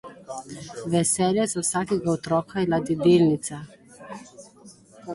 Veselje za vsakega otroka je ladjedelnica.